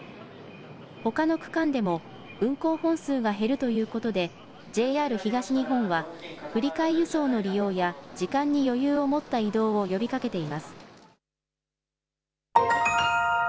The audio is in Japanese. ほかの区間でも運行本数が減るということでＪＲ東日本は振り替え輸送の利用や時間に余裕を持った移動を呼びかけています。